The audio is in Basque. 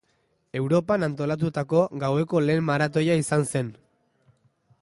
Europan antolatutako gaueko lehen maratoia izan zen.